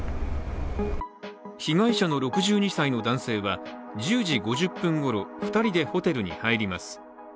被害者の６２歳の男性は１０時５０分ごろ２人でホテルに入ります。